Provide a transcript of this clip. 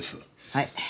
はい。